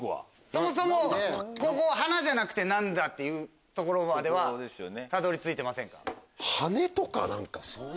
そもそも「花」じゃなくて何だっていうところまでたどり着いてませんか？